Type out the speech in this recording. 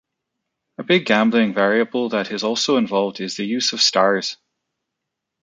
A big gambling variable that is also involved is the use of stars.